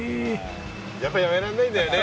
やっぱりやめられないんだよね。